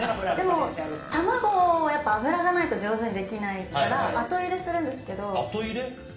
でも、卵は油がないと上手にできないから後入れするんですけど。